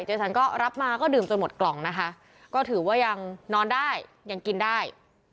ฉันก็รับมาก็ดื่มจนหมดกล่องนะคะก็ถือว่ายังนอนได้ยังกินได้